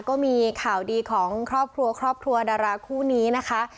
ก็มีข่าวดีของครอบครัวครอบครัวดาราคู่นี้นะคะ